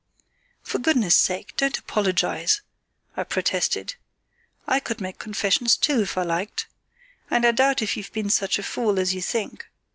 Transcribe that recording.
"For goodness' sake, don't apologise," I protested. "I could make confessions, too, if I liked. And I doubt if you've been such a fool as you think.